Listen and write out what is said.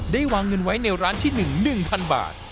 ได้วางเงินไว้ในร้านที่หนึ่งหนึ่งพันบาท